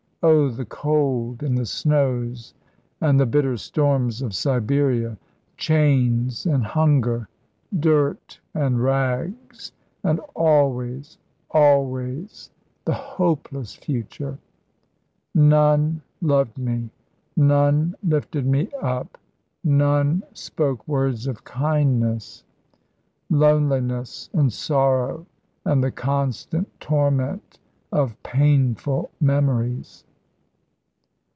Oh, the cold and the snows and the bitter storms of Siberia! Chains and hunger, dirt and rags; and always always the hopeless future. None loved me; none lifted me up; none spoke words of kindness. Loneliness and sorrow and the constant torment of painful memories."